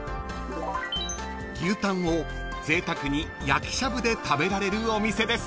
［牛タンをぜいたくに焼きしゃぶで食べられるお店です］